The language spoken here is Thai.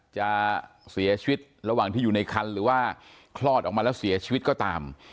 จะเสียชีวิตระหว่างที่อยู่ในคันหรือว่าคลอดออกมาแล้วเสียชีวิตก็ตาม